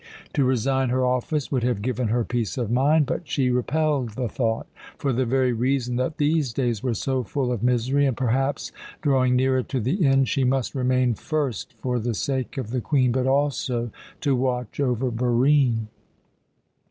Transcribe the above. To resign her office would have given her peace of mind, but she repelled the thought. For the very reason that these days were so full of misery and perhaps drawing nearer to the end, she must remain, first for the sake of the Queen, but also to watch over Barine.